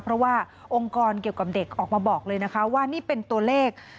เพราะว่าองค์กรเกี่ยวกับเด็กออกมาบอกเลยนะคะว่านี่เป็นตัวเลข